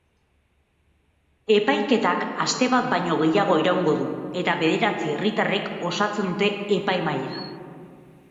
Epaiketak aste bat baino gehiago iraungo du eta bederatzi herritarrek osatzen dute epaimahaia.